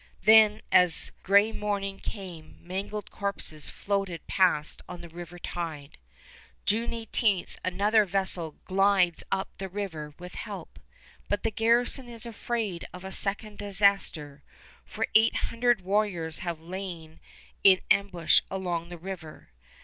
Then as gray morning came mangled corpses floated past on the river tide. June 18 another vessel glides up the river with help, but the garrison is afraid of a second disaster, for eight hundred warriors have lain in ambush along the river.